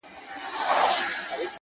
هر فکر یو احتمالي راتلونکی دی.!